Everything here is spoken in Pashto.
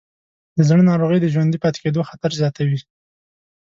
د زړه ناروغۍ د ژوندي پاتې کېدو خطر زیاتوې.